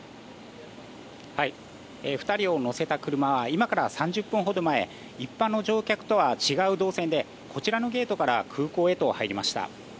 ２人を乗せた車は今から３０分ほど前一般の乗客とは違う動線でこちらのゲートから空港へと入りました。